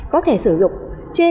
có thể sử dụng